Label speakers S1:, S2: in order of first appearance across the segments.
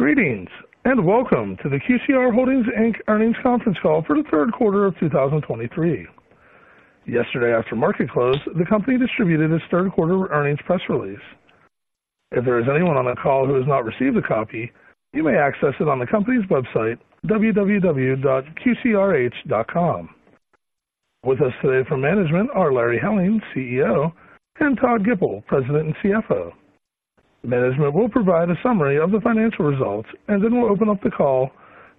S1: Greetings, and welcome to the QCR Holdings, Inc. Earnings Conference Call for the third quarter of 2023. Yesterday, after market close, the company distributed its third quarter earnings press release. If there is anyone on the call who has not received a copy, you may access it on the company's website, www.qcrh.com. With us today from management are Larry Helling, CEO, and Todd Gipple, President and CFO. Management will provide a summary of the financial results, and then we'll open up the call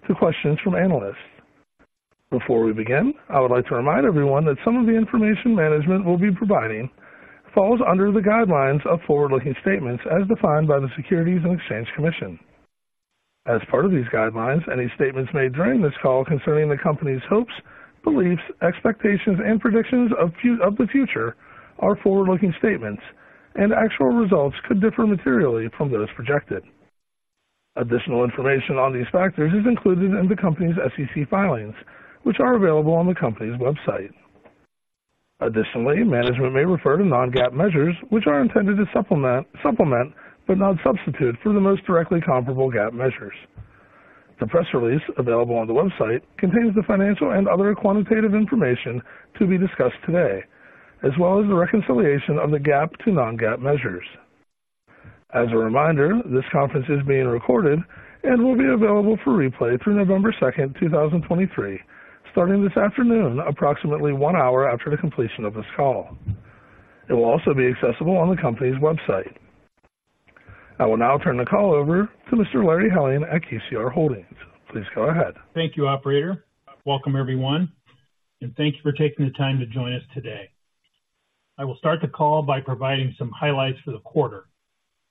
S1: to questions from analysts. Before we begin, I would like to remind everyone that some of the information management will be providing falls under the guidelines of forward-looking statements as defined by the Securities and Exchange Commission. As part of these guidelines, any statements made during this call concerning the company's hopes, beliefs, expectations, and predictions of of the future are forward-looking statements, and actual results could differ materially from those projected. Additional information on these factors is included in the company's SEC filings, which are available on the company's website. Additionally, management may refer to non-GAAP measures, which are intended to supplement, but not substitute, for the most directly comparable GAAP measures. The press release available on the website contains the financial and other quantitative information to be discussed today, as well as the reconciliation of the GAAP to non-GAAP measures. As a reminder, this conference is being recorded and will be available for replay through November second, two thousand twenty-three, starting this afternoon, approximately one hour after the completion of this call. It will also be accessible on the company's website. I will now turn the call over to Mr. Larry Helling at QCR Holdings. Please go ahead.
S2: Thank you, operator. Welcome, everyone, and thank you for taking the time to join us today. I will start the call by providing some highlights for the quarter.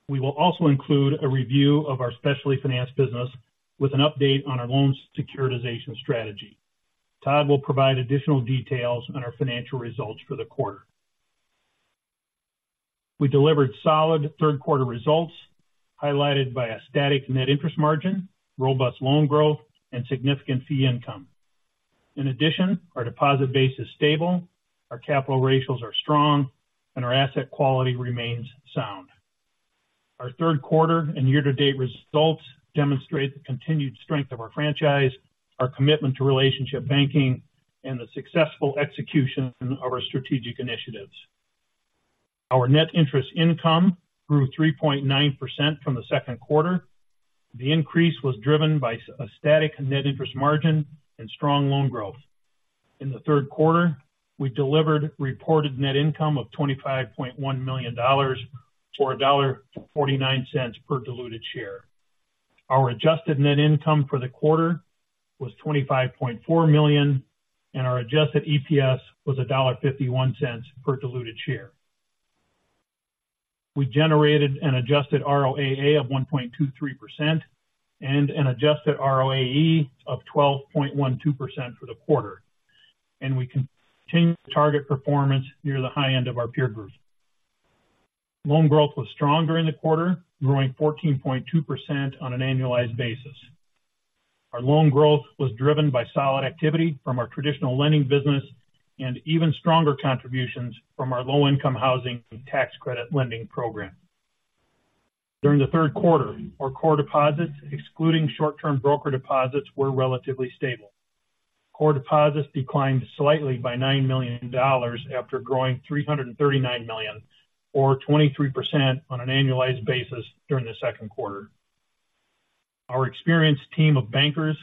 S2: We will also include a review of our specialty finance business with an update on our loan securitization strategy. Todd will provide additional details on our financial results for the quarter. We delivered solid third quarter results, highlighted by a static net interest margin, robust loan growth, and significant fee income. In addition, our deposit base is stable, our capital ratios are strong, and our asset quality remains sound. Our third quarter and year-to-date results demonstrate the continued strength of our franchise, our commitment to relationship banking, and the successful execution of our strategic initiatives. Our net interest income grew 3.9% from the second quarter. The increase was driven by a static net interest margin and strong loan growth. In the third quarter, we delivered reported net income of $25.1 million, or $1.49 per diluted share. Our adjusted net income for the quarter was $25.4 million, and our adjusted EPS was $1.51 per diluted share. We generated an adjusted ROAA of 1.23% and an adjusted ROAE of 12.12% for the quarter, and we continue to target performance near the high end of our peer group. Loan growth was stronger in the quarter, growing 14.2% on an annualized basis. Our loan growth was driven by solid activity from our traditional lending business and even stronger contributions from our low-income housing and tax credit lending program. During the third quarter, our core deposits, excluding short-term brokered deposits, were relatively stable. Core deposits declined slightly by $9 million after growing $339 million, or 23% on an annualized basis during the second quarter. Our experienced team of bankers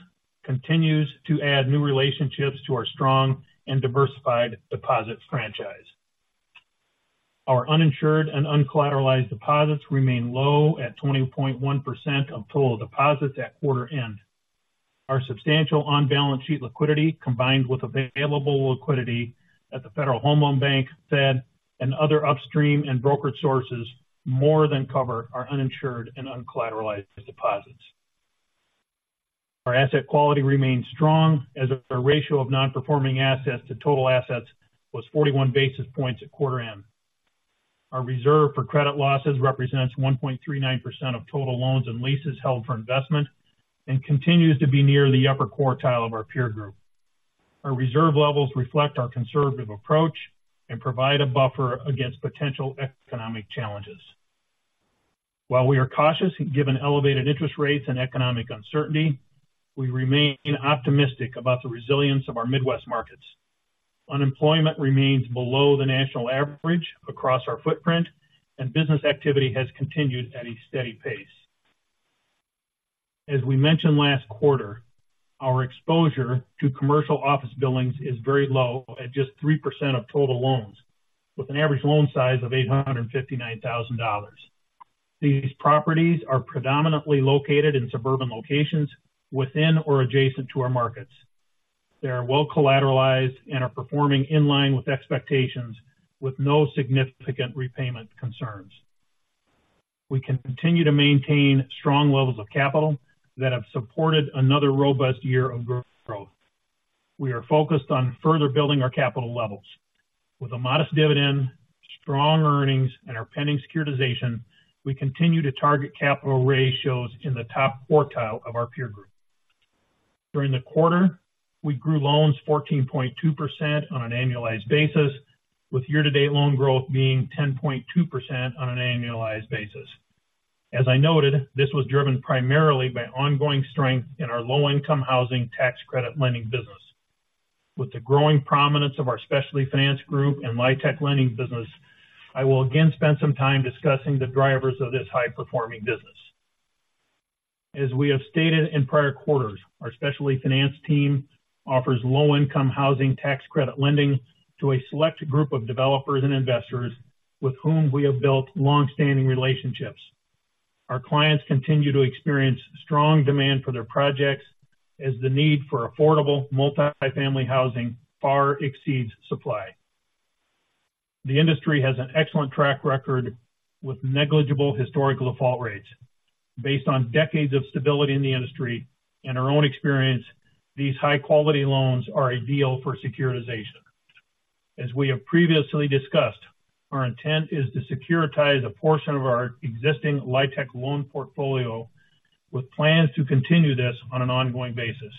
S2: continues to add new relationships to our strong and diversified deposit franchise. Our uninsured and uncollateralized deposits remain low at 20.1% of total deposits at quarter end. Our substantial on-balance sheet liquidity, combined with available liquidity at the Federal Home Loan Bank, Fed and other upstream and brokered sources, more than cover our uninsured and uncollateralized deposits. Our asset quality remains strong as the ratio of non-performing assets to total assets was 41 basis points at quarter end. Our reserve for credit losses represents 1.39% of total loans and leases held for investment and continues to be near the upper quartile of our peer group. Our reserve levels reflect our conservative approach and provide a buffer against potential economic challenges. While we are cautious, given elevated interest rates and economic uncertainty, we remain optimistic about the resilience of our Midwest markets. Unemployment remains below the national average across our footprint, and business activity has continued at a steady pace. As we mentioned last quarter, our exposure to commercial office buildings is very low at just 3% of total loans, with an average loan size of $859,000. These properties are predominantly located in suburban locations within or adjacent to our markets. They are well collateralized and are performing in line with expectations, with no significant repayment concerns. We continue to maintain strong levels of capital that have supported another robust year of growth. We are focused on further building our capital levels. With a modest dividend, strong earnings, and our pending securitization, we continue to target capital ratios in the top quartile of our peer group. During the quarter, we grew loans 14.2% on an annualized basis, with year-to-date loan growth being 10.2% on an annualized basis. As I noted, this was driven primarily by ongoing strength in our low-income housing tax credit lending business. With the growing prominence of our specialty finance group and LIHTC lending business, I will again spend some time discussing the drivers of this high performing business. As we have stated in prior quarters, our specialty finance team offers low-income housing tax credit lending to a select group of developers and investors with whom we have built long-standing relationships. Our clients continue to experience strong demand for their projects as the need for affordable multifamily housing far exceeds supply. The industry has an excellent track record with negligible historical default rates. Based on decades of stability in the industry and our own experience, these high quality loans are ideal for securitization. As we have previously discussed, our intent is to securitize a portion of our existing LIHTC loan portfolio with plans to continue this on an ongoing basis.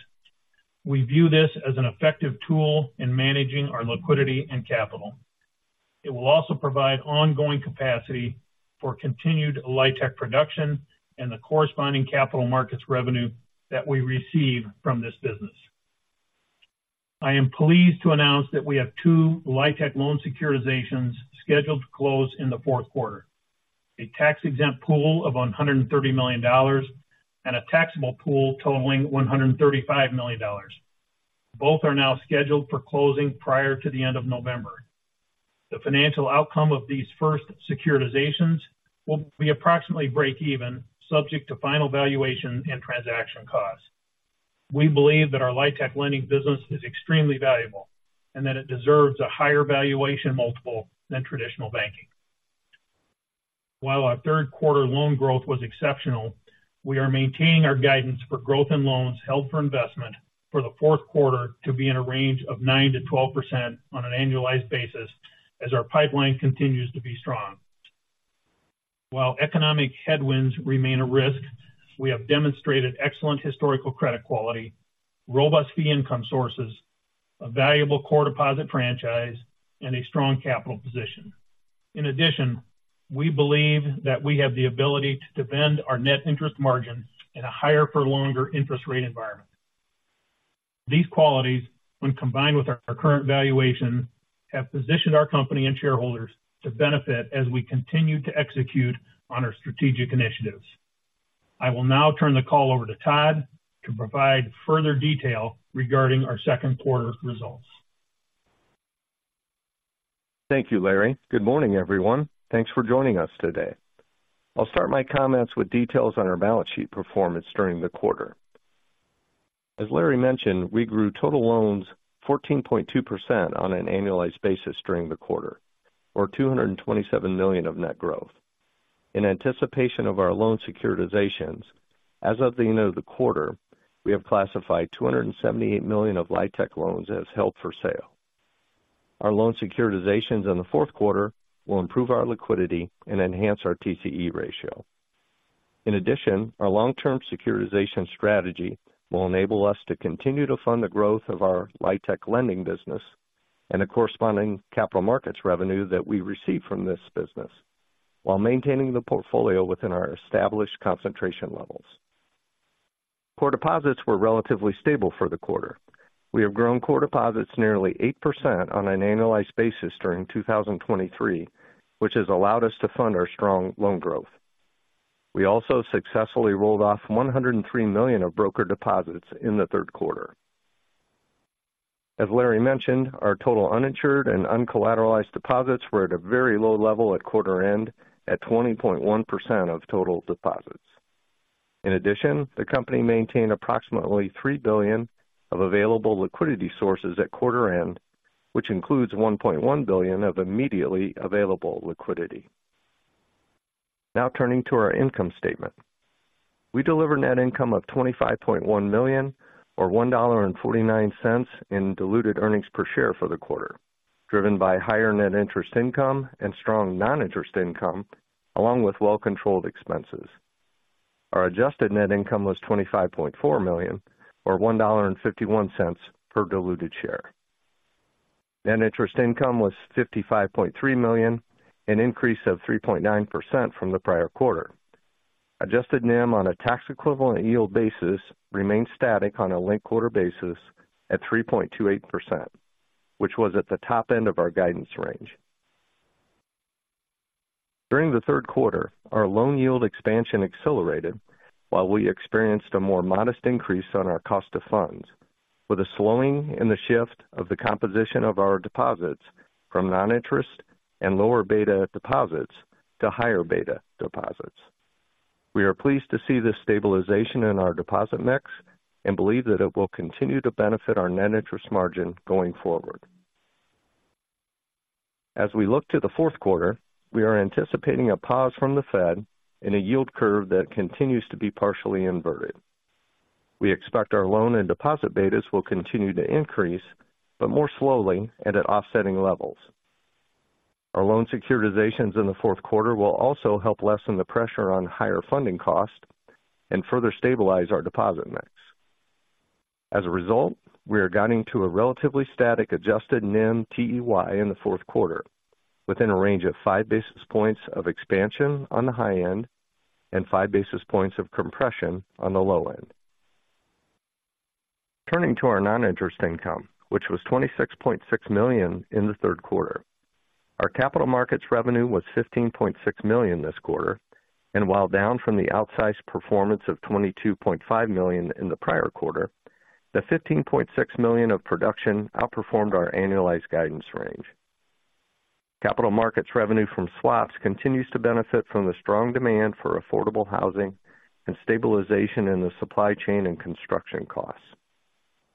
S2: We view this as an effective tool in managing our liquidity and capital. It will also provide ongoing capacity for continued LIHTC production and the corresponding capital markets revenue that we receive from this business. I am pleased to announce that we have two LIHTC loan securitizations scheduled to close in the fourth quarter, a tax-exempt pool of $130 million and a taxable pool totaling $135 million. Both are now scheduled for closing prior to the end of November. The financial outcome of these first securitizations will be approximately break even, subject to final valuation and transaction costs. We believe that our LIHTC lending business is extremely valuable and that it deserves a higher valuation multiple than traditional banking. While our third quarter loan growth was exceptional, we are maintaining our guidance for growth in loans held for investment for the fourth quarter to be in a range of 9%-12% on an annualized basis as our pipeline continues to be strong. While economic headwinds remain a risk, we have demonstrated excellent historical credit quality, robust fee income sources, a valuable core deposit franchise and a strong capital position. In addition, we believe that we have the ability to defend our net interest margin in a higher for longer interest rate environment. These qualities, when combined with our current valuation, have positioned our company and shareholders to benefit as we continue to execute on our strategic initiatives. I will now turn the call over to Todd to provide further detail regarding our second quarter results.
S3: Thank you, Larry. Good morning, everyone. Thanks for joining us today. I'll start my comments with details on our balance sheet performance during the quarter. As Larry mentioned, we grew total loans 14.2% on an annualized basis during the quarter, or $227 million of net growth. In anticipation of our loan securitizations, as of the end of the quarter, we have classified $278 million of LIHTC loans as held for sale. Our loan securitizations in the fourth quarter will improve our liquidity and enhance our TCE ratio. In addition, our long-term securitization strategy will enable us to continue to fund the growth of our LIHTC lending business and the corresponding capital markets revenue that we receive from this business, while maintaining the portfolio within our established concentration levels. Core deposits were relatively stable for the quarter. We have grown core deposits nearly 8% on an annualized basis during 2023, which has allowed us to fund our strong loan growth. We also successfully rolled off $103 million of broker deposits in the third quarter. As Larry mentioned, our total uninsured and uncollateralized deposits were at a very low level at quarter end, at 20.1% of total deposits. In addition, the company maintained approximately $3 billion of available liquidity sources at quarter end, which includes $1.1 billion of immediately available liquidity. Now turning to our income statement. We delivered net income of $25.1 million, or $1.49 in diluted earnings per share for the quarter, driven by higher net interest income and strong non-interest income, along with well-controlled expenses. Our adjusted net income was $25.4 million, or $1.51 per diluted share. Net interest income was $55.3 million, an increase of 3.9% from the prior quarter. Adjusted NIM on a tax equivalent yield basis remained static on a linked quarter basis at 3.28%, which was at the top end of our guidance range. During the third quarter, our loan yield expansion accelerated while we experienced a more modest increase on our cost of funds, with a slowing in the shift of the composition of our deposits from non-interest and lower beta deposits to higher beta deposits. We are pleased to see this stabilization in our deposit mix and believe that it will continue to benefit our net interest margin going forward. As we look to the fourth quarter, we are anticipating a pause from the Fed in a yield curve that continues to be partially inverted. We expect our loan and deposit betas will continue to increase, but more slowly and at offsetting levels. Our loan securitizations in the fourth quarter will also help lessen the pressure on higher funding costs and further stabilize our deposit mix. As a result, we are guiding to a relatively static adjusted NIM TEY in the fourth quarter, within a range of five basis points of expansion on the high end and five basis points of compression on the low end. Turning to our non-interest income, which was $26.6 million in the third quarter. Our capital markets revenue was $15.6 million this quarter, and while down from the outsized performance of $22.5 million in the prior quarter, the $15.6 million of production outperformed our annualized guidance range. Capital markets revenue from swaps continues to benefit from the strong demand for affordable housing and stabilization in the supply chain and construction costs.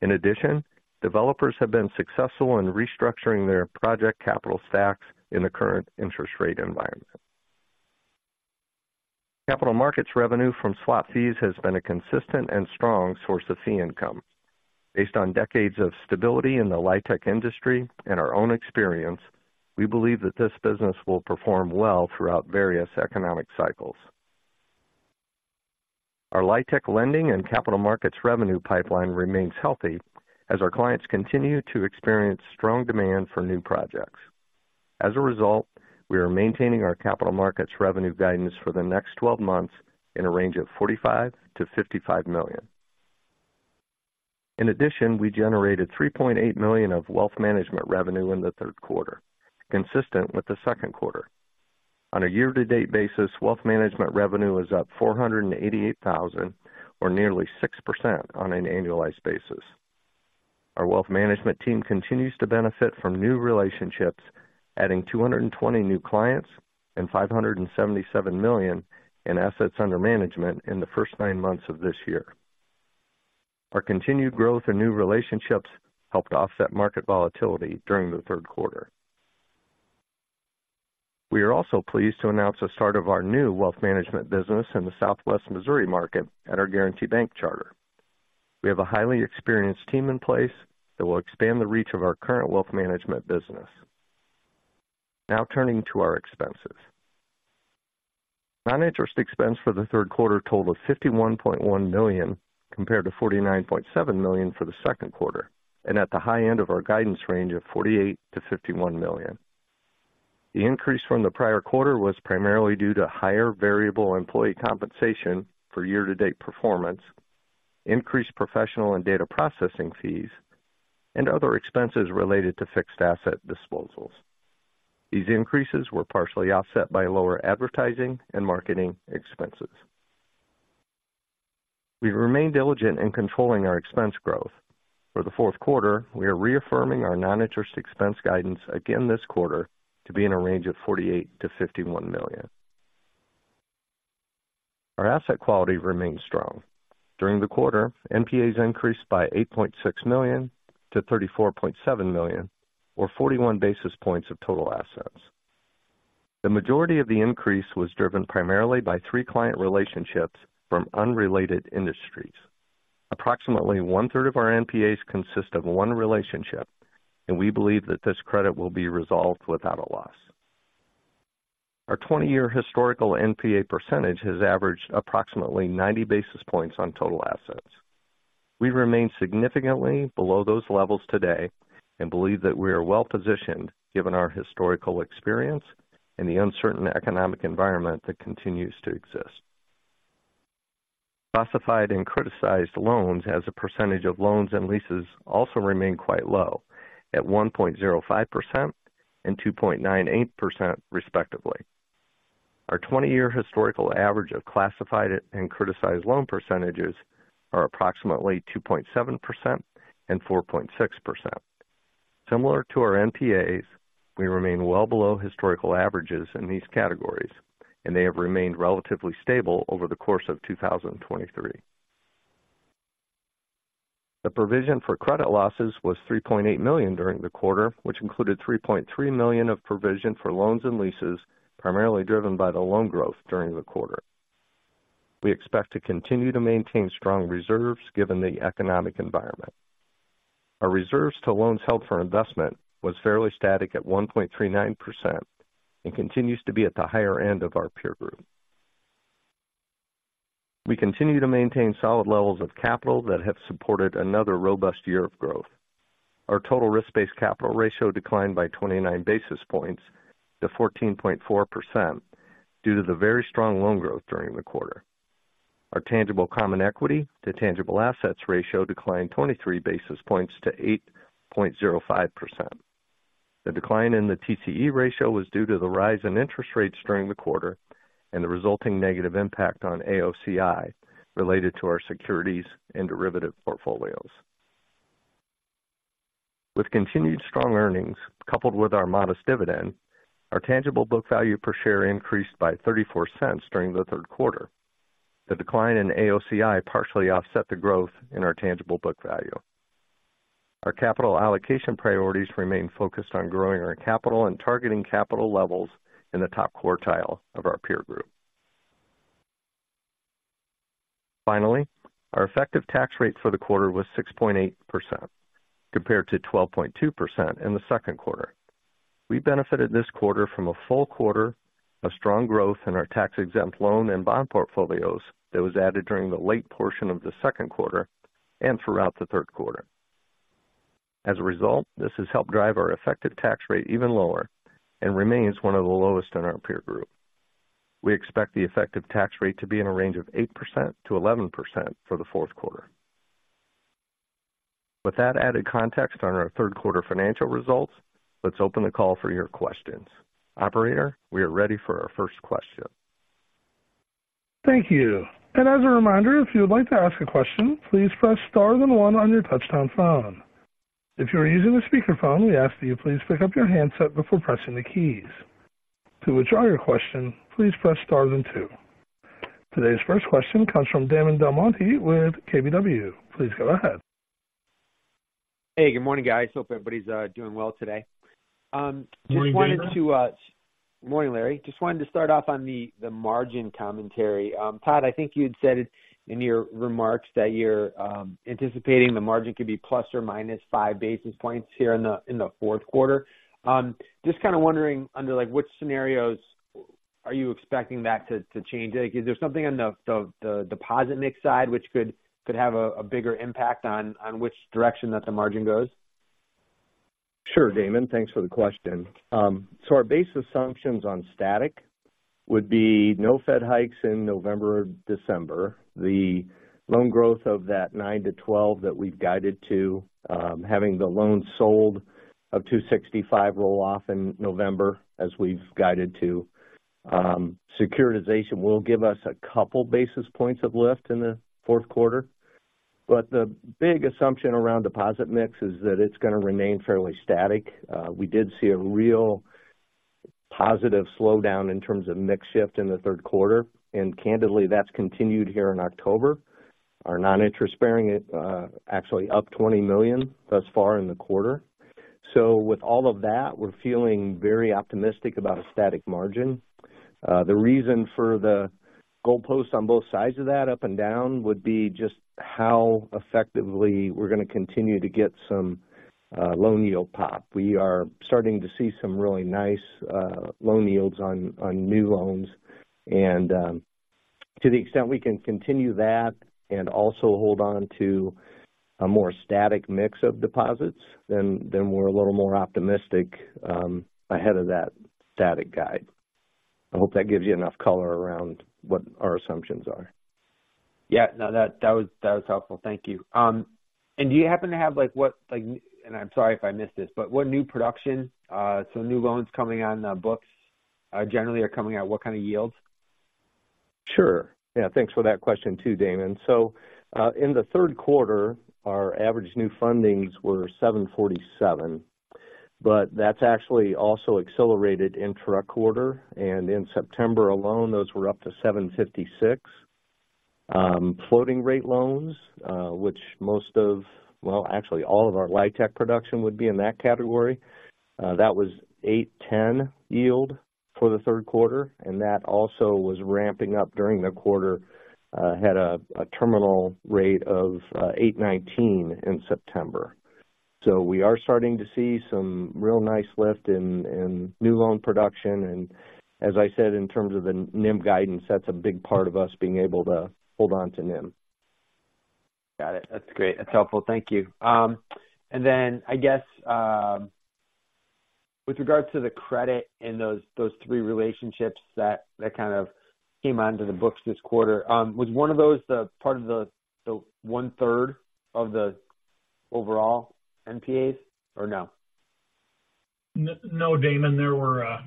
S3: In addition, developers have been successful in restructuring their project capital stacks in the current interest rate environment. Capital markets revenue from swap fees has been a consistent and strong source of fee income. Based on decades of stability in the LIHTC industry and our own experience, we believe that this business will perform well throughout various economic cycles. Our LIHTC lending and capital markets revenue pipeline remains healthy as our clients continue to experience strong demand for new projects. As a result, we are maintaining our capital markets revenue guidance for the next 12 months in a range of $45 million-$55 million. In addition, we generated $3.8 million of wealth management revenue in the third quarter, consistent with the second quarter. On a year-to-date basis, wealth management revenue is up $488,000, or nearly 6% on an annualized basis. Our wealth management team continues to benefit from new relationships, adding 220 new clients and $577 million in assets under management in the first nine months of this year. Our continued growth in new relationships helped to offset market volatility during the third quarter. We are also pleased to announce the start of our new wealth management business in the Southwest Missouri market at our Guaranty Bank charter. We have a highly experienced team in place that will expand the reach of our current wealth management business. Now turning to our expenses. Non-interest expense for the third quarter totaled $51.1 million, compared to $49.7 million for the second quarter, and at the high end of our guidance range of $48 million-$51 million. The increase from the prior quarter was primarily due to higher variable employee compensation for year-to-date performance, increased professional and data processing fees, and other expenses related to fixed asset disposals. These increases were partially offset by lower advertising and marketing expenses. We've remained diligent in controlling our expense growth. For the fourth quarter, we are reaffirming our non-interest expense guidance again this quarter to be in a range of $48 million-$51 million. Our asset quality remains strong. During the quarter, NPAs increased by $8.6 million-$34.7 million, or 41 basis points of total assets. The majority of the increase was driven primarily by three client relationships from unrelated industries. Approximately one-third of our NPAs consist of one relationship, and we believe that this credit will be resolved without a loss. Our 20-year historical NPA percentage has averaged approximately 90 basis points on total assets. We remain significantly below those levels today and believe that we are well positioned given our historical experience and the uncertain economic environment that continues to exist. Classified and criticized loans as a percentage of loans and leases also remain quite low at 1.05% and 2.98% respectively. Our 20-year historical average of classified and criticized loan percentages are approximately 2.7% and 4.6%. Similar to our NPAs, we remain well below historical averages in these categories, and they have remained relatively stable over the course of 2023. The provision for credit losses was $3.8 million during the quarter, which included $3.3 million of provision for loans and leases, primarily driven by the loan growth during the quarter. We expect to continue to maintain strong reserves given the economic environment. Our reserves to loans held for investment was fairly static at 1.39% and continues to be at the higher end of our peer group. We continue to maintain solid levels of capital that have supported another robust year of growth. Our total risk-based capital ratio declined by 29 basis points to 14.4% due to the very strong loan growth during the quarter. Our tangible common equity to tangible assets ratio declined 23 basis points to 8.05%. The decline in the TCE ratio was due to the rise in interest rates during the quarter and the resulting negative impact on AOCI related to our securities and derivative portfolios. With continued strong earnings coupled with our modest dividend, our tangible book value per share increased by $0.34 during the third quarter. The decline in AOCI partially offset the growth in our tangible book value. Our capital allocation priorities remain focused on growing our capital and targeting capital levels in the top quartile of our peer group. Finally, our effective tax rate for the quarter was 6.8%, compared to 12.2% in the second quarter. We benefited this quarter from a full quarter of strong growth in our tax-exempt loan and bond portfolios that was added during the late portion of the second quarter and throughout the third quarter. As a result, this has helped drive our effective tax rate even lower and remains one of the lowest in our peer group. We expect the effective tax rate to be in a range of 8% to 11% for the fourth quarter. With that added context on our third quarter financial results, let's open the call for your questions. Operator, we are ready for our first question.
S1: Thank you. And as a reminder, if you would like to ask a question, please press star then one on your touchtone phone. If you are using a speakerphone, we ask that you please pick up your handset before pressing the keys. To withdraw your question, please press star then two. Today's first question comes from Damon DelMonte with KBW. Please go ahead.
S4: Hey, good morning, guys. Hope everybody's doing well today.
S3: Morning, Damon.
S4: Morning, Larry. Just wanted to start off on the margin commentary. Todd, I think you had said it in your remarks that you're anticipating the margin could be ±5 basis points here in the fourth quarter. Just kind of wondering, under like which scenarios are you expecting that to change? Is there something on the deposit mix side which could have a bigger impact on which direction that the margin goes?
S3: Sure, Damon. Thanks for the question. So our base assumptions on static would be no Fed hikes in November or December. The loan growth of that nine to 12 that we've guided to, having the loans sold of $265 million roll off in November, as we've guided to. Securitization will give us a couple basis points of lift in the fourth quarter. But the big assumption around deposit mix is that it's going to remain fairly static. We did see a real positive slowdown in terms of mix shift in the third quarter, and candidly, that's continued here in October. Our non-interest bearing is actually up $20 million thus far in the quarter. So with all of that, we're feeling very optimistic about a static margin. The reason for the goalposts on both sides of that, up and down, would be just how effectively we're going to continue to get some loan yield pop. We are starting to see some really nice loan yields on new loans, and to the extent we can continue that and also hold on to a more static mix of deposits, then, then we're a little more optimistic ahead of that static guide. I hope that gives you enough color around what our assumptions are.
S4: Yeah. No, that was helpful. Thank you. And do you happen to have, like, what, like... And I'm sorry if I missed this, but what new production, so new loans coming on the books, generally are coming out, what kind of yields?
S3: Sure. Yeah, thanks for that question too, Damon. In the third quarter, our average new fundings were $747,000, but that's actually also accelerated intra-quarter, and in September alone, those were up to $756,000. Floating rate loans, which most of... Well, actually, all of our LIHTC production would be in that category. That was 8.10% yield for the third quarter, and that also was ramping up during the quarter, had a terminal rate of 8.19% in September. We are starting to see some real nice lift in new loan production. As I said, in terms of the NIM guidance, that's a big part of us being able to hold on to NIM.
S4: Got it. That's great. That's helpful. Thank you. And then I guess, with regards to the credit in those three relationships that kind of came onto the books this quarter, was one of those the part of the one-third of the overall NPAs or no?
S2: No, Damon, there were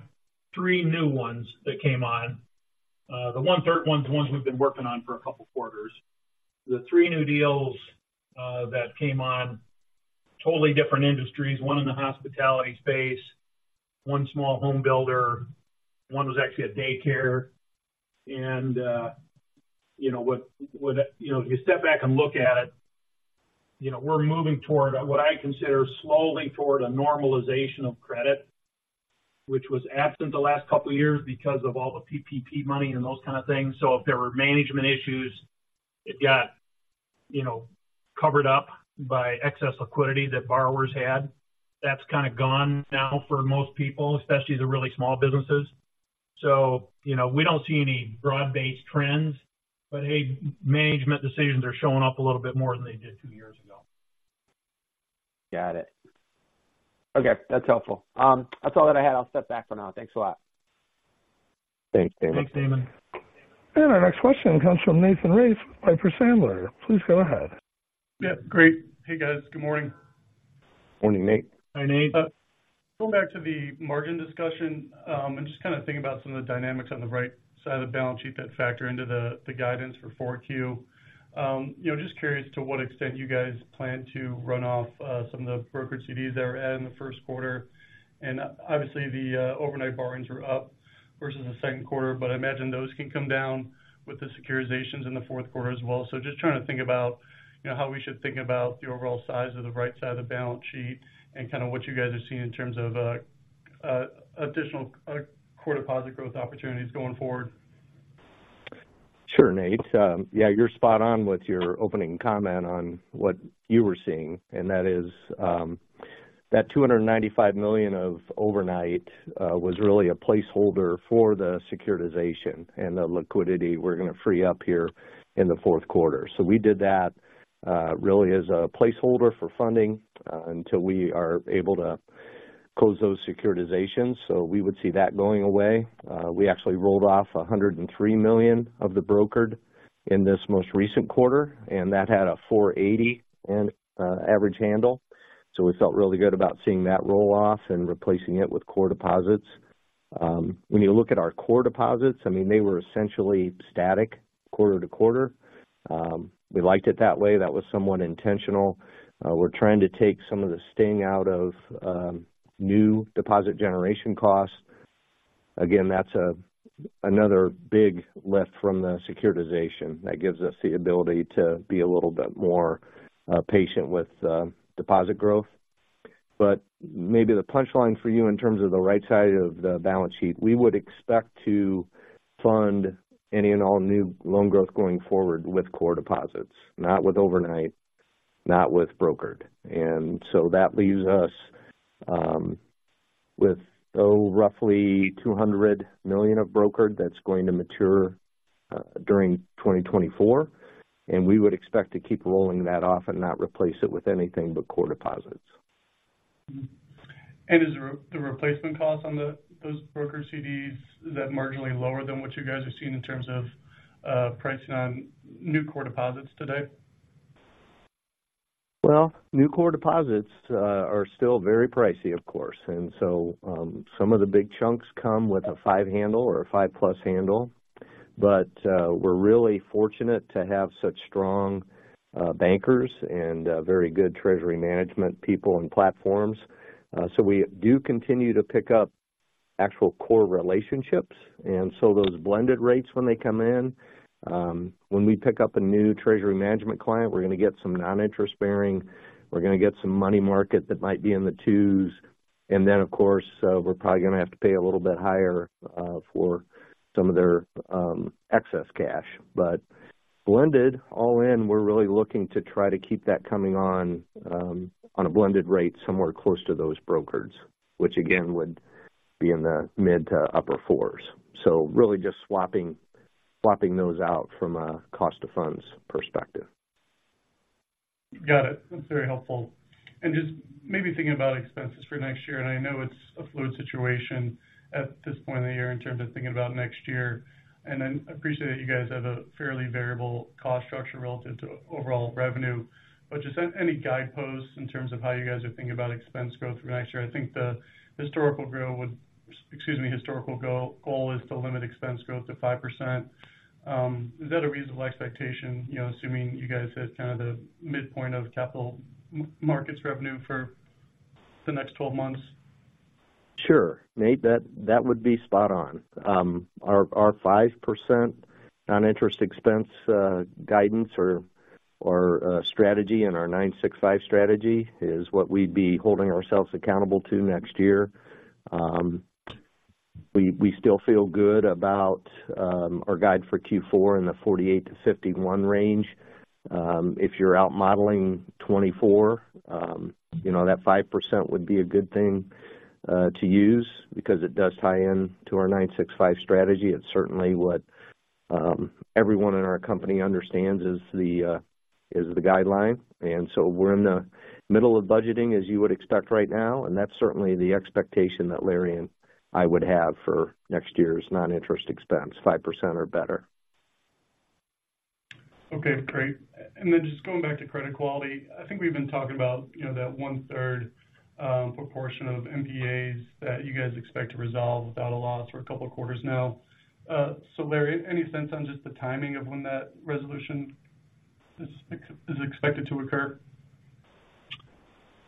S2: three new ones that came on. The one-third one is the ones we've been working on for a couple quarters. The three new deals that came on, totally different industries, one in the hospitality space, one small home builder, one was actually a daycare. And you know, what, with that you know, if you step back and look at it, you know, we're moving toward what I consider slowly toward a normalization of credit, which was absent the last couple of years because of all the PPP money and those kind of things. So if there were management issues, it got you know, covered up by excess liquidity that borrowers had. That's kind of gone now for most people, especially the really small businesses. So, you know, we don't see any broad-based trends, but hey, management decisions are showing up a little bit more than they did two years ago.
S4: Got it. Okay, that's helpful. That's all that I had. I'll step back for now. Thanks a lot.
S3: Thanks, Damon.
S2: Thanks, Damon.
S1: Our next question comes from Nathan Race with Piper Sandler. Please go ahead.
S5: Yeah, great. Hey, guys. Good morning.
S3: Morning, Nate.
S2: Hi, Nate.
S5: Going back to the margin discussion, and just kind of thinking about some of the dynamics on the right side of the balance sheet that factor into the guidance for 4Q. You know, just curious to what extent you guys plan to run off some of the brokered CDs that were added in the first quarter. And obviously, the overnight borrowings were up versus the second quarter, but I imagine those can come down with the securitizations in the fourth quarter as well. So just trying to think about, you know, how we should think about the overall size of the right side of the balance sheet and kind of what you guys are seeing in terms of additional core deposit growth opportunities going forward?
S3: Sure, Nate. Yeah, you're spot on with your opening comment on what you were seeing, and that is, that $295 million of overnight was really a placeholder for the securitization and the liquidity we're going to free up here in the fourth quarter. We did that really as a placeholder for funding until we are able to close those securitizations, so we would see that going away. We actually rolled off $103 million of the brokered in this most recent quarter, and that had a 4.80 in average handle. We felt really good about seeing that roll off and replacing it with core deposits. When you look at our core deposits, I mean, they were essentially static quarter to quarter. We liked it that way. That was somewhat intentional. We're trying to take some of the sting out of new deposit generation costs. Again, that's another big lift from the securitization that gives us the ability to be a little bit more patient with deposit growth. But maybe the punchline for you in terms of the right side of the balance sheet, we would expect to fund any and all new loan growth going forward with core deposits, not with overnight, not with brokered. And so that leaves us with, oh, roughly $200 million of brokered that's going to mature during 2024, and we would expect to keep rolling that off and not replace it with anything but core deposits.
S5: Mm-hmm. And is the replacement cost on those broker CDs marginally lower than what you guys are seeing in terms of pricing on new core deposits today?
S3: Well, new core deposits are still very pricey, of course. And so, some of the big chunks come with a 5 handle or a 5+ handle. But, we're really fortunate to have such strong, bankers and, very good treasury management people and platforms. So we do continue to pick up actual core relationships, and so those blended rates, when they come in, when we pick up a new treasury management client, we're going to get some non-interest bearing, we're going to get some money market that might be in the 2s. And then, of course, we're probably going to have to pay a little bit higher, for some of their, excess cash. But blended all in, we're really looking to try to keep that coming on, on a blended rate, somewhere close to those brokered, which, again, would be in the mid to upper fours. So really just swapping, swapping those out from a cost to funds perspective.
S5: Got it. That's very helpful. And just maybe thinking about expenses for next year, and I know it's a fluid situation at this point in the year in terms of thinking about next year, and I appreciate that you guys have a fairly variable cost structure relative to overall revenue. But just any guideposts in terms of how you guys are thinking about expense growth for next year? I think the historical goal is to limit expense growth to 5%. Is that a reasonable expectation, you know, assuming you guys hit kind of the midpoint of capital markets revenue for the next twelve months?
S3: Sure, Nate. That would be spot on. Our 5% non-interest expense guidance or strategy and our 965 strategy is what we'd be holding ourselves accountable to next year. We still feel good about our guide for Q4 in the $48 to $51 range. If you're out modeling 2024, you know, that 5% would be a good thing to use because it does tie in to our 965 strategy. It's certainly what everyone in our company understands is the guideline. And so we're in the middle of budgeting, as you would expect right now, and that's certainly the expectation that Larry and I would have for next year's non-interest expense, 5% or better.
S5: Okay, great. And then just going back to credit quality, I think we've been talking about, you know, that one-third proportion of NPAs that you guys expect to resolve without a loss for a couple of quarters now. So Larry, any sense on just the timing of when that resolution is expected to occur?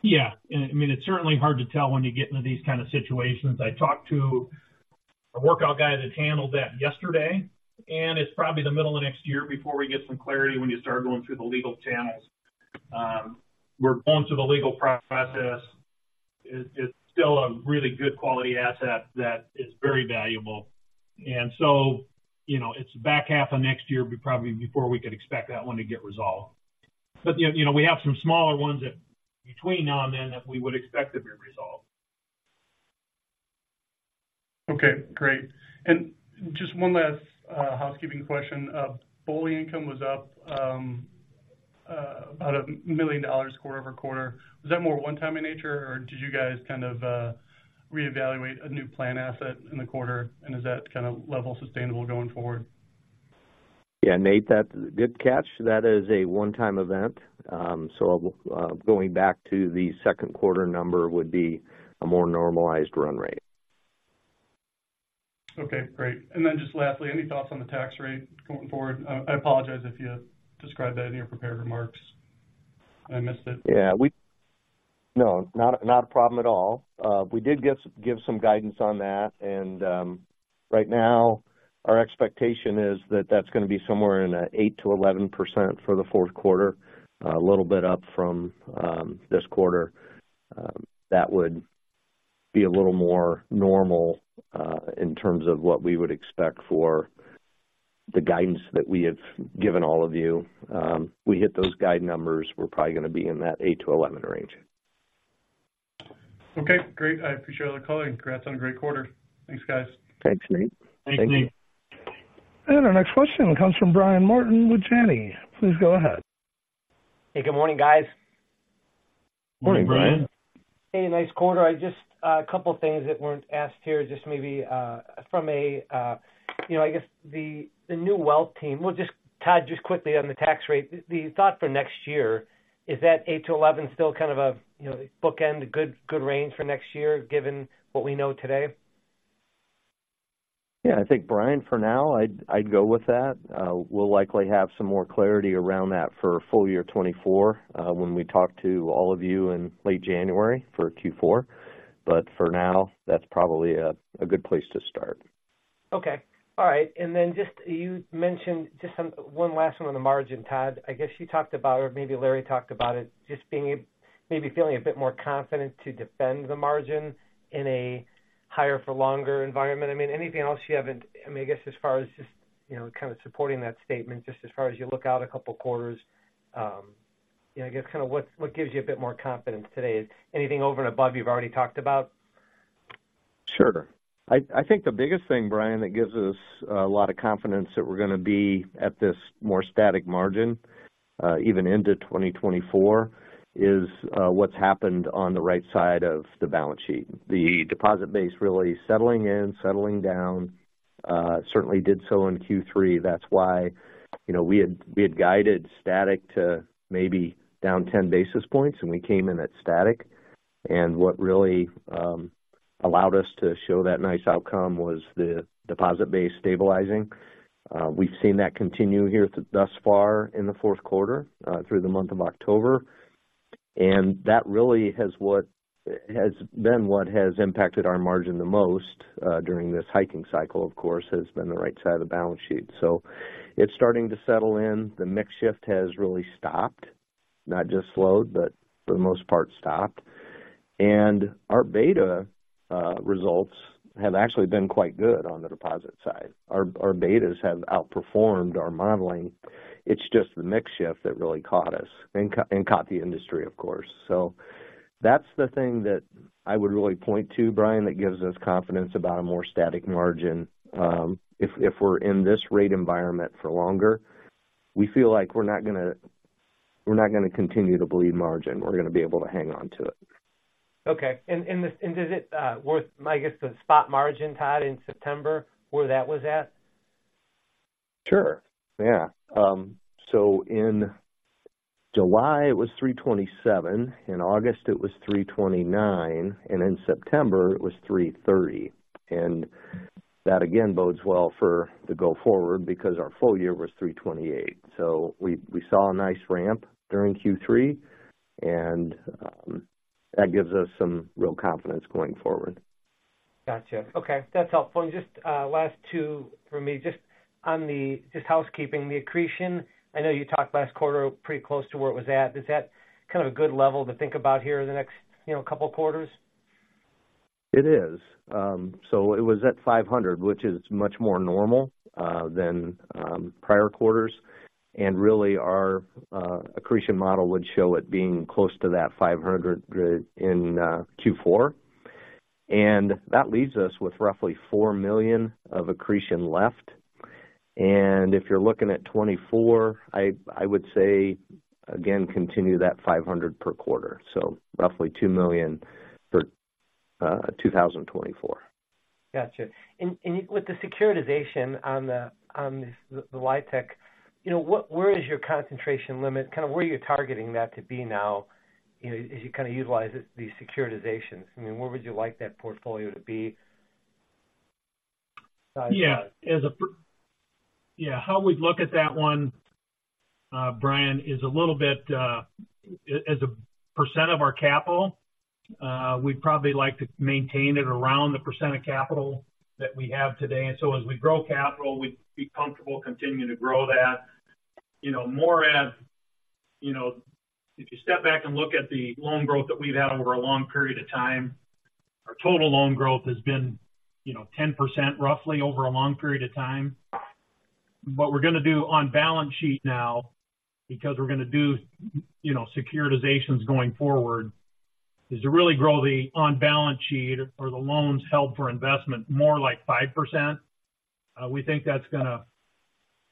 S2: Yeah. And I mean, it's certainly hard to tell when you get into these kind of situations. I talked to a workout guy that handled that yesterday, and it's probably the middle of next year before we get some clarity when you start going through the legal channels. We're going through the legal process. It's still a really good quality asset that is very valuable. And so, you know, it's back half of next year, be probably before we could expect that one to get resolved. But, you know, we have some smaller ones that between now and then, that we would expect to be resolved.
S5: Okay, great. Just one last housekeeping question. Bowling income was up about $1 million quarter-over-quarter. Was that more one-time in nature, or did you guys kind of reevaluate a new plan asset in the quarter? Is that kind of level sustainable going forward?
S3: Yeah, Nate, that's a good catch. That is a one-time event. So, going back to the second quarter number would be a more normalized run rate.
S5: Okay, great. Then just lastly, any thoughts on the tax rate going forward? I apologize if you described that in your prepared remarks, and I missed it.
S3: Yeah, No, not a problem at all. We did give some guidance on that, and... Right now, our expectation is that that's going to be somewhere in the 8%-11% for the fourth quarter, a little bit up from this quarter. That would be a little more normal in terms of what we would expect for the guidance that we have given all of you. We hit those guide numbers, we're probably going to be in that 8% to 11% range.
S5: Okay, great. I appreciate the call, and congrats on a great quarter. Thanks, guys.
S3: Thanks, Nate.
S2: Thanks, Nate.
S1: Our next question comes from Brian Martin with Janney. Please go ahead.
S6: Hey, good morning, guys.
S3: Morning, Brian.
S6: Hey, nice quarter. I just a couple of things that weren't asked here, just maybe from a, you know, I guess, the, the new wealth team. We'll just— Todd, just quickly on the tax rate, the thought for next year, is that 8 to 11 still kind of a, you know, bookend, a good, good range for next year, given what we know today?
S3: Yeah, I think, Brian, for now, I'd go with that. We'll likely have some more clarity around that for full year 2024, when we talk to all of you in late January for Q4. But for now, that's probably a good place to start.
S6: Okay. All right. And then just you mentioned just some one last one on the margin, Todd. I guess you talked about, or maybe Larry talked about it, just being, maybe feeling a bit more confident to defend the margin in a higher for longer environment. I mean, anything else you haven't I mean, I guess, as far as just, you know, kind of supporting that statement, just as far as you look out a couple of quarters, you know, I guess, kind of what gives you a bit more confidence today? Anything over and above you've already talked about?
S3: Sure. I think the biggest thing, Brian, that gives us a lot of confidence that we're going to be at this more static margin, even into 2024, is what's happened on the right side of the balance sheet. The deposit base really settling in, settling down, certainly did so in Q3. That's why, you know, we had guided static to maybe down 10 basis points, and we came in at static. And what really allowed us to show that nice outcome was the deposit base stabilizing. We've seen that continue here thus far in the fourth quarter, through the month of October. And that really has been what has impacted our margin the most, during this hiking cycle, of course, has been the right side of the balance sheet. So it's starting to settle in. The mix shift has really stopped, not just slowed, but for the most part, stopped. Our beta results have actually been quite good on the deposit side. Our betas have outperformed our modeling. It's just the mix shift that really caught us and caught the industry, of course. That's the thing that I would really point to, Brian, that gives us confidence about a more static margin. If we're in this rate environment for longer, we feel like we're not gonna continue to bleed margin. We're gonna be able to hang on to it.
S6: Okay. And is it worth, I guess, the spot margin, Todd, in September, where that was at?
S3: Sure. Yeah. So in July, it was 327, in August it was 329, and in September it was 330. And that again bodes well for the go forward because our full year was 328. So we saw a nice ramp during Q3, and that gives us some real confidence going forward.
S6: Got you. Okay, that's helpful. And just, last two for me, just on the, just housekeeping, the accretion. I know you talked last quarter pretty close to where it was at. Is that kind of a good level to think about here in the next, you know, couple of quarters?
S3: It is. So it was at 500, which is much more normal than prior quarters. And really, our accretion model would show it being close to that 500 in Q4. And that leaves us with roughly $4 million of accretion left. And if you're looking at 2024, I, I would say, again, continue that 500 per quarter, so roughly $2 million for 2024.
S6: Got you. And with the securitization on the LIHTC, you know, what, where is your concentration limit? Kind of where are you targeting that to be now, you know, as you kind of utilize it, the securitizations? I mean, where would you like that portfolio to be?
S2: Yeah, how we'd look at that one, Brian, is a little bit, as a percent of our capital, we'd probably like to maintain it around the percent of capital that we have today. And so as we grow capital, we'd be comfortable continuing to grow that. You know, if you step back and look at the loan growth that we've had over a long period of time, our total loan growth has been, you know, 10% roughly over a long period of time. What we're going to do on balance sheet now, because we're going to do, you know, securitizations going forward, is to really grow the on balance sheet or the loans held for investment more like 5%. We think that's gonna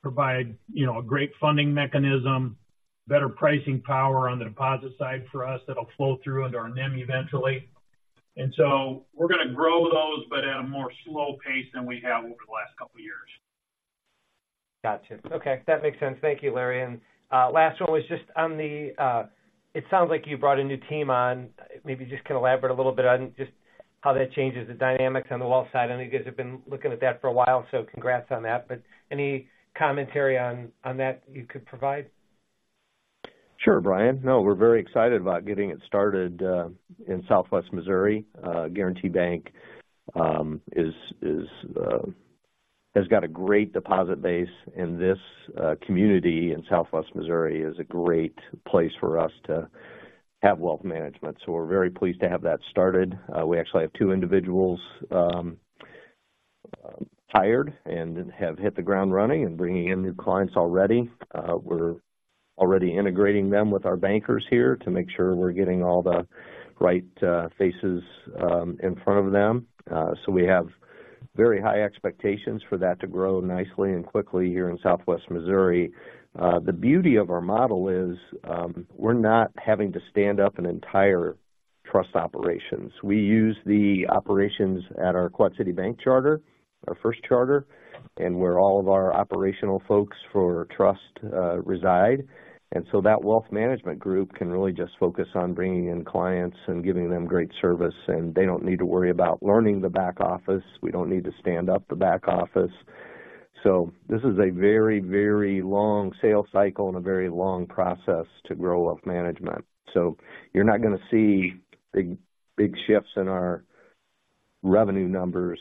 S2: provide, you know, a great funding mechanism, better pricing power on the deposit side for us. That'll flow through into our NIM eventually. And so we're going to grow those, but at a more slow pace than we have over the last couple of years.
S6: Got you. Okay, that makes sense. Thank you, Larry. And last one was just on the... It sounds like you brought a new team on. Maybe you just can elaborate a little bit on just how that changes the dynamics on the wealth side. I know you guys have been looking at that for a while, so congrats on that. But any commentary on that you could provide?
S3: Sure, Brian. No, we're very excited about getting it started in Southwest Missouri. Guaranty Bank has got a great deposit base in this community, and Southwest Missouri is a great place for us to have wealth management, so we're very pleased to have that started. We actually have two individuals hired and have hit the ground running and bringing in new clients already. We're already integrating them with our bankers here to make sure we're getting all the right faces in front of them. So we have very high expectations for that to grow nicely and quickly here in Southwest Missouri. The beauty of our model is, we're not having to stand up an entire trust operations. We use the operations at our Quad City Bank & Trust charter, our first charter, and where all of our operational folks for trust reside. That wealth management group can really just focus on bringing in clients and giving them great service, and they don't need to worry about learning the back office. We don't need to stand up the back office. This is a very, very long sales cycle and a very long process to grow wealth management. You're not going to see big, big shifts in our revenue numbers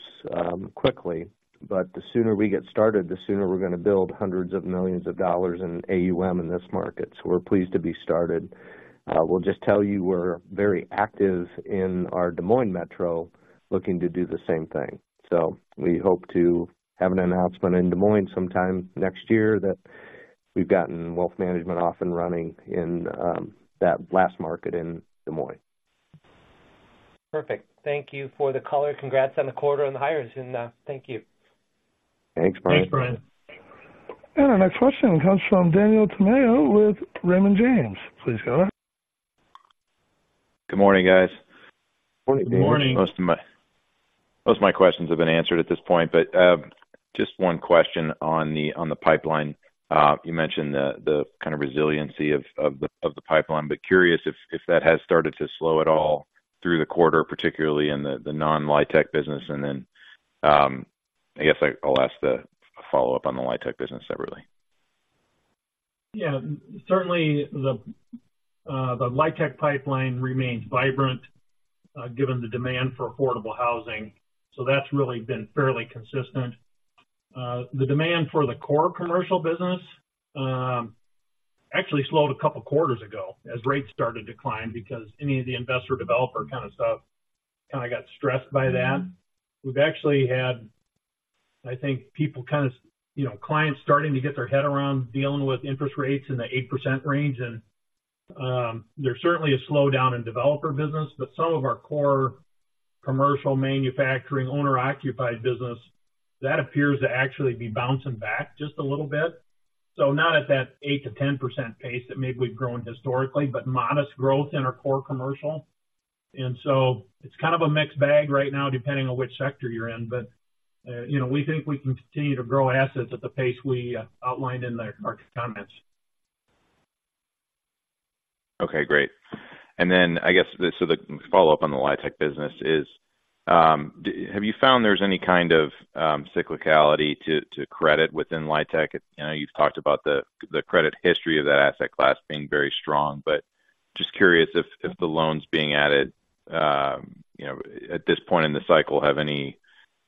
S3: quickly, but the sooner we get started, the sooner we're going to build hundreds of millions of dollars in AUM in this market. We're pleased to be started. We'll just tell you, we're very active in our Des Moines metro, looking to do the same thing. We hope to have an announcement in Des Moines sometime next year that we've gotten wealth management off and running in that last market in Des Moines.
S6: Perfect. Thank you for the color. Congrats on the quarter and the hires, and thank you.
S3: Thanks, Brian.
S2: Thanks, Brian.
S1: And our next question comes from Daniel Tamayo with Raymond James. Please go ahead.
S7: Good morning, guys.
S3: Good morning.
S2: Good morning.
S7: Most of my questions have been answered at this point, but just one question on the pipeline. You mentioned the kind of resiliency of the pipeline, but curious if that has started to slow at all through the quarter, particularly in the non-LIHTC business. And then, I guess I'll ask the follow-up on the LIHTC business separately.
S2: Yeah, certainly the LIHTC pipeline remains vibrant, given the demand for affordable housing, so that's really been fairly consistent. The demand for the core commercial business actually slowed a couple of quarters ago as rates started to decline, because any of the investor developer kind of stuff kind of got stressed by that. We've actually had, I think, people kind of, you know, clients starting to get their head around dealing with interest rates in the 8% range, and there's certainly a slowdown in developer business. But some of our core commercial manufacturing, owner-occupied business, that appears to actually be bouncing back just a little bit. So not at that 8% to 10% pace that maybe we've grown historically, but modest growth in our core commercial. And so it's kind of a mixed bag right now, depending on which sector you're in. You know, we think we can continue to grow assets at the pace we outlined in our comments.
S7: Okay, great. I guess, the follow-up on the LIHTC business is, have you found there's any kind of cyclicality to credit within LIHTC? I know you've talked about the credit history of that asset class being very strong, but just curious if the loans being added, you know, at this point in the cycle, have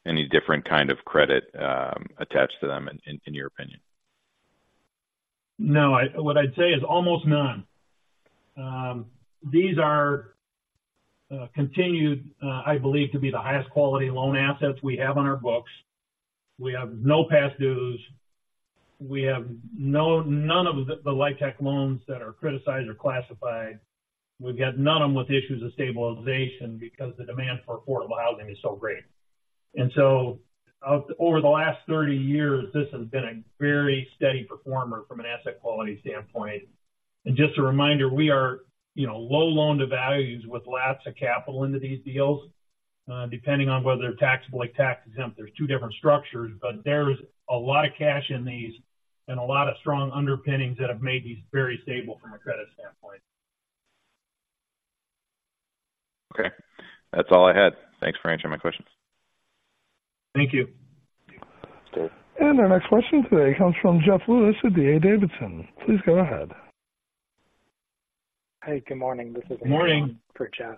S7: any different kind of credit attached to them in your opinion?
S2: No, what I'd say is almost none. These are continued, I believe, to be the highest quality loan assets we have on our books. We have no past dues. We have none of the LIHTC loans that are criticized or classified. We've got none of them with issues of stabilization because the demand for affordable housing is so great. And so over the last 30 years, this has been a very steady performer from an asset quality standpoint. And just a reminder, we are, you know, low loan-to-values with lots of capital into these deals, depending on whether they're taxable or tax-exempt. There's two different structures, but there's a lot of cash in these and a lot of strong underpinnings that have made these very stable from a credit standpoint.
S7: Okay, that's all I had. Thanks for answering my questions.
S2: Thank you.
S1: Our next question today comes from Jeff Rulis with D.A. Davidson. Please go ahead.
S8: Hi, good morning. This is Jeff.
S2: Good morning.
S8: For Jeff.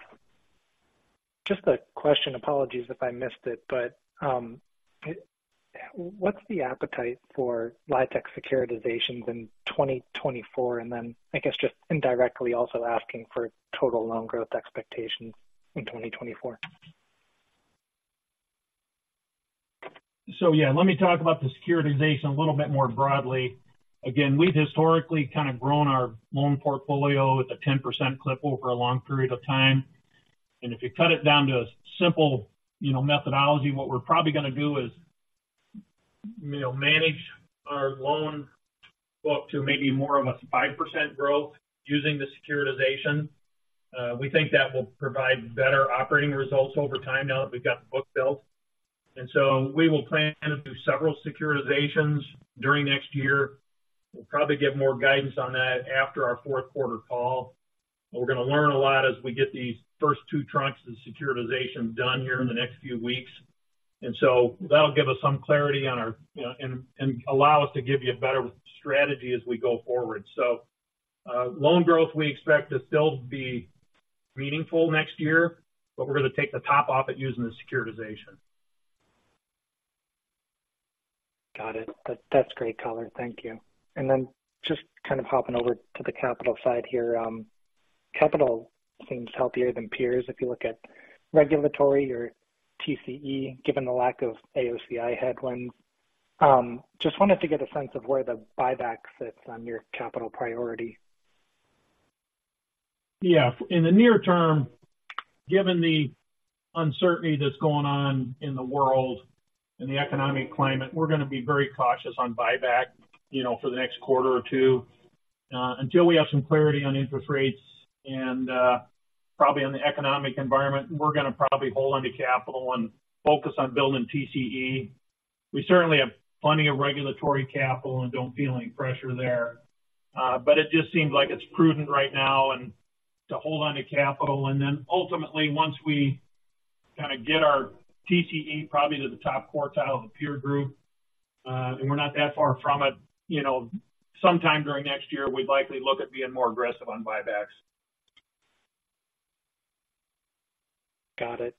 S8: Just a question, apologies if I missed it, but what's the appetite for LIHTC securitizations in 2024? And then I guess just indirectly also asking for total loan growth expectations in 2024.
S2: So yeah, let me talk about the securitization a little bit more broadly. Again, we've historically kind of grown our loan portfolio at a 10% clip over a long period of time. And if you cut it down to a simple, you know, methodology, what we're probably going to do is, you know, manage our loan book to maybe more of a 5% growth using the securitization. We think that will provide better operating results over time now that we've got the book built. And so we will plan to do several securitizations during next year. We'll probably give more guidance on that after our fourth quarter call.... We're gonna learn a lot as we get these first 2 tranches of securitization done here in the next few weeks. And so that'll give us some clarity on our, you know, and, and allow us to give you a better strategy as we go forward. So, loan growth, we expect to still be meaningful next year, but we're going to take the top off it using the securitization.
S8: Got it. That, that's great color. Thank you. And then just kind of hopping over to the capital side here. Capital seems healthier than peers. If you look at regulatory or TCE, given the lack of AOCI headwinds, just wanted to get a sense of where the buyback sits on your capital priority.
S2: Yeah. In the near term, given the uncertainty that's going on in the world, in the economic climate, we're going to be very cautious on buyback, you know, for the next quarter or two. Until we have some clarity on interest rates and, probably on the economic environment, we're going to probably hold onto capital and focus on building TCE. We certainly have plenty of regulatory capital and don't feel any pressure there. But it just seems like it's prudent right now and to hold on to capital, and then ultimately, once we kind of get our TCE probably to the top quartile of the peer group, and we're not that far from it, you know, sometime during next year, we'd likely look at being more aggressive on buybacks.
S8: Got it.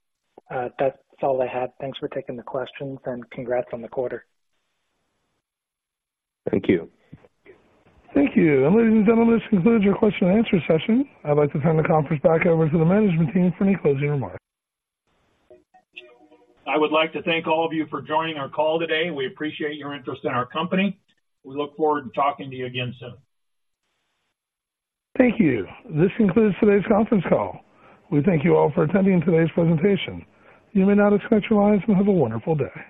S8: That's all I had. Thanks for taking the questions, and congrats on the quarter.
S2: Thank you.
S1: Thank you. Ladies and gentlemen, this concludes your question and answer session. I'd like to turn the conference back over to the management team for any closing remarks.
S2: I would like to thank all of you for joining our call today. We appreciate your interest in our company. We look forward to talking to you again soon.
S1: Thank you. This concludes today's conference call. We thank you all for attending today's presentation. You may now disconnect your lines and have a wonderful day.